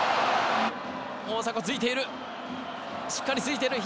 大迫ついている！